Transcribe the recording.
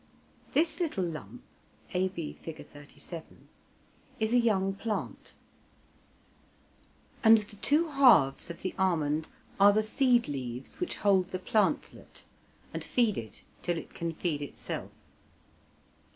This little lump (a b, Fig. 37) is a young plant, and the two halves of the almond are the seed leaves which hold the plantlet, and feed it till it can feed itself.